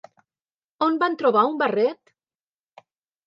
On van trobar un barret?